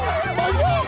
ya kena doang